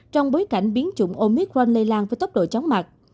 trong bối cảnh biến chủng omicron lây lan với tốc độ chóng mặt